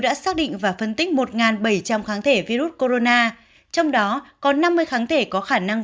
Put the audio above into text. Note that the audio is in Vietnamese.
đã xác định và phân tích một bảy trăm linh kháng thể virus corona trong đó có năm mươi kháng thể có khả năng